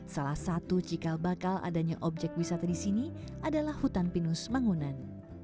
salah satu cikal bakal adanya objek wisata di sini adalah hutan pinus mangunan